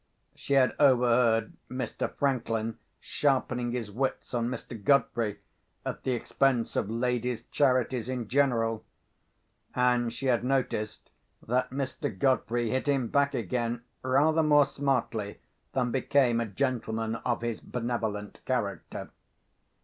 She had overheard Mr. Franklin sharpening his wits on Mr. Godfrey, at the expense of Ladies' Charities in general; and she had noticed that Mr. Godfrey hit him back again rather more smartly than became a gentleman of his benevolent character.